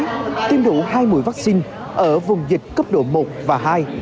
giảng viên và sinh viên phải đảm bảo các tiêu ký tiêm đủ hai mũi vaccine ở vùng dịch cấp độ một và hai